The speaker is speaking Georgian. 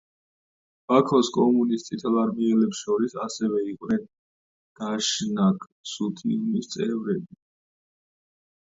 ბაქოს კომუნის წითელარმიელებს შორის ასევე იყვნენ დაშნაკცუთიუნის წევრები.